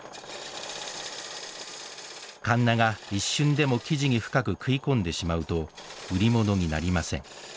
かんなが一瞬でも木地に深く食い込んでしまうと売り物になりません。